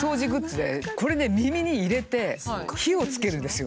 耳に入れて火をつけるんですよ。